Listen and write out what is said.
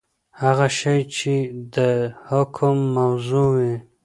هغه شی چي د حکم موضوع وي.؟